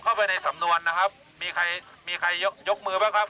เข้าไปในสำนวนนะครับมีใครยกมือไหมครับ